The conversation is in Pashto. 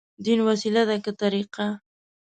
دين وسيله ده، که طريقه؟